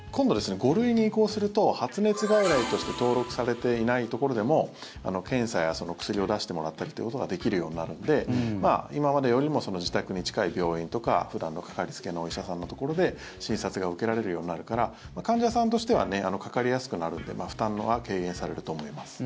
５類に移行すると発熱外来として登録されていないところでも検査や薬を出してもらったりっていうことができるようになるので今までよりも自宅に近い病院とか普段のかかりつけのお医者さんのところで診察が受けられるようになるから患者さんとしてはかかりやすくなるんで負担は軽減されると思います。